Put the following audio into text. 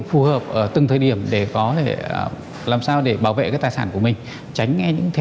phù hợp ở từng thời điểm để có thể làm sao để bảo vệ các tài sản của mình tránh nghe những theo